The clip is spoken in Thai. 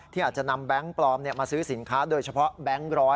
อาจจะนำแบงค์ปลอมมาซื้อสินค้าโดยเฉพาะแบงค์๑๐๐